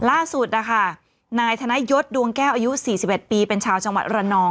ล่าสุดนะคะนายธนยศดวงแก้วอายุ๔๑ปีเป็นชาวจังหวัดระนอง